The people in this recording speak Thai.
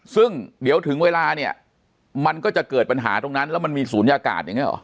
ซึ่งเดี๋ยวถึงเวลาเนี่ยมันก็จะเกิดปัญหาตรงนั้นแล้วมันมีศูนยากาศอย่างนี้หรอ